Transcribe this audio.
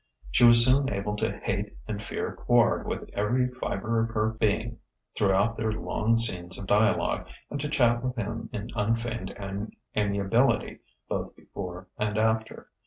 She was soon able to hate and fear Quard with every fibre of her being throughout their long scenes of dialogue, and to chat with him in unfeigned amiability both before and after.